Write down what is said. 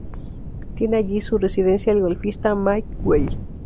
Tiene allí su residencia el golfista Mike Weir.